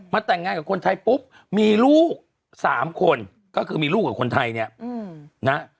แต่งงานกับคนไทยปุ๊บมีลูก๓คนก็คือมีลูกกับคนไทยเนี่ยนะ